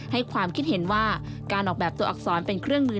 ให้ความคิดเห็นว่าการออกแบบตัวอักษรเป็นเครื่องมือ